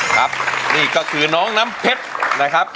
ครับนี่ก็คือน้องน้ำเพชรนะครับ